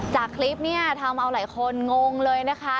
จากคลิปเนี่ยทำเอาหลายคนงงเลยนะคะ